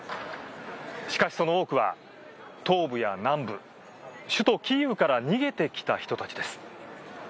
しかし、その多くは東部や南部首都キーウから逃げてきた人たちです。